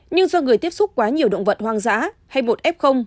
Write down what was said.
nhưng do người tiếp xúc quá nhiều động vật hoang dã hay bột f